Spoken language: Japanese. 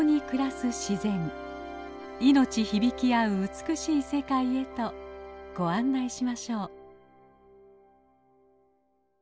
命響きあう美しい世界へとご案内しましょう。